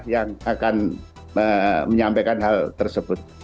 yang akan menyampaikan hal tersebut